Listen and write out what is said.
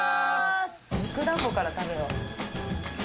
肉団子から食べよう。